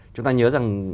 chúng ta nhớ rằng